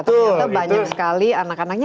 ternyata banyak sekali anak anaknya